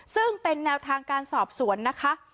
ซึ่งเป็นแนวทางการสอบสวนนะคะ